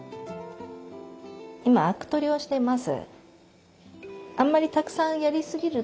今あく取りをしてます。